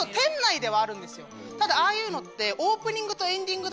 ただああいうのって。